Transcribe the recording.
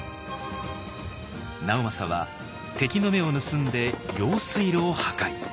直政は敵の目を盗んで用水路を破壊。